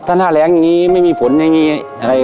ถ้าหน้าแหลงอย่างงี้ไม่มีฝนอย่างงี้